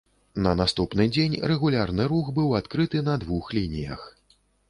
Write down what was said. На наступны дзень рэгулярны рух быў адкрыты на двух лініях.